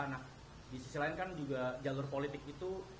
nah di sisi lain kan juga jalur politik itu